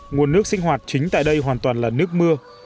nguồn nước sinh hoạt chính tại đây hoàn toàn là nước mưa